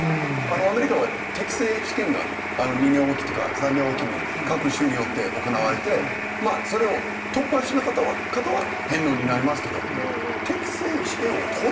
アメリカは適正試験が２年おきとか３年おきに各州によって行われてそれを突破しなかった方は返納になりますけど適正試験を通る方は。